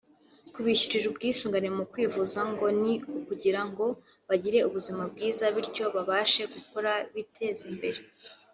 Kubishyurira ubwisungane mu kwivuza ngo ni ukugira ngo bagire ubuzima bwiza bityo babashe gukora biteze imbere